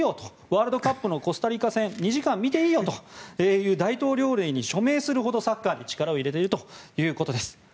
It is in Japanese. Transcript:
ワールドカップのコスタリカ戦２時間見ていいよという大統領令に署名するほどサッカーに力を入れているということです。